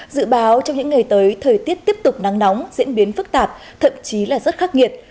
dự báo trong những ngày tới thời tiết tiếp tục nắng nóng diễn biến phức tạp thậm chí là rất khắc nghiệt